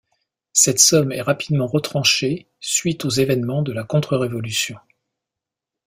Cette somme est rapidement retranchée suite aux événements de la contre-révolution.